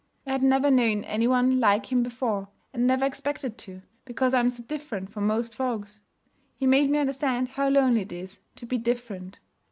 I had never known any one like him before, and never expected to, because I'm so different from most folks. He made me understand how lonely it is to be different.